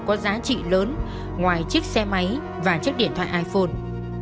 có giá trị lớn ngoài chiếc xe máy và chiếc điện thoại iphone